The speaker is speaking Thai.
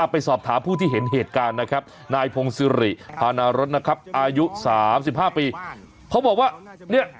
ไปสอบถามผู้ที่เห็นเหตุการณ์น้ายพงศิริอาณารสอายุ๓๕ปี